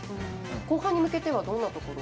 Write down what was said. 後半に向けてはどんなところを？